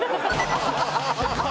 ハハハハ！